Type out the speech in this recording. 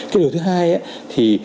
cái điều thứ hai thì